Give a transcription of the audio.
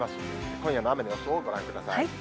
今夜の雨の予想をご覧ください。